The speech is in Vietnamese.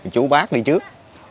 chú bác đi trước